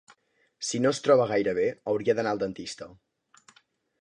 Si no es troba gaire bé hauria d'anar al dentista.